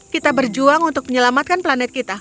kita berjuang untuk menyelamatkan planet kita